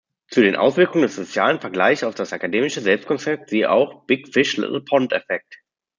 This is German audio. Zu den Auswirkungen des sozialen Vergleichs auf das akademische Selbstkonzept siehe auch: Big-Fish-Little-Pond-Effekt.